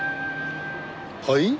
はい？